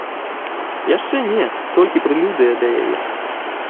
Яшчэ не, толькі прэлюдыя да яе.